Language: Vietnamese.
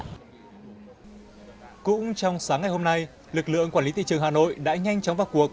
cũng trong sáng ngày hôm nay lực lượng quản lý thị trường hà nội đã nhanh chóng vào cuộc